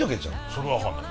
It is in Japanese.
それは分かんない。